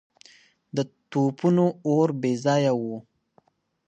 د توپونو اور بې ځایه و.